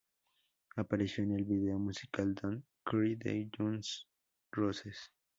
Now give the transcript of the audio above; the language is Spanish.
Apareció en el video musical Don't cry de Guns n roses.